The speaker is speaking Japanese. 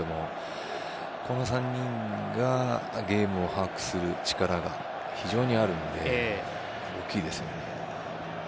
この３人がゲームを把握する力があるので大きいですね。